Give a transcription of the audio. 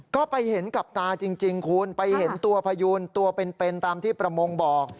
ก็ไปเห็นกับตาจริงคุณไปเห็นตัวพยูนตัวเป็นตามที่ประมงบอก